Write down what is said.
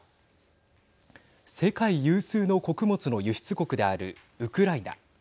世界有数の穀物の輸出国であるウクライナ。